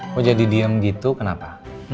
mau jadi diem gitu kenapa